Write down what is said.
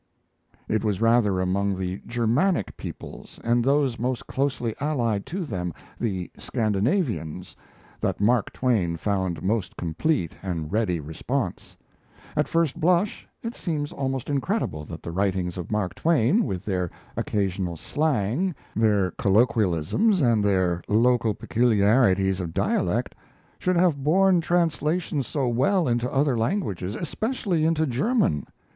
It was rather among the Germanic peoples and those most closely allied to them, the Scandinavians, that Mark Twain found most complete and ready response. At first blush, it seems almost incredible that the writings of Mark Twain, with their occasional slang, their colloquialisms and their local peculiarities of dialect, should have borne translation so well into other languages, especially into German.